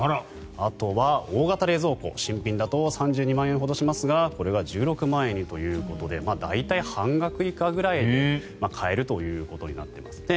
あとは大型冷蔵庫新品だと３２万円ほどしますがこれは１６万円にということで大体、半額以下ぐらいで買えるということになっていますね。